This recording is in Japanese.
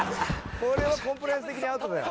「これはコンプライアンス的にアウトだよ」